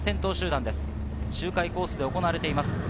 周回コースで行われています。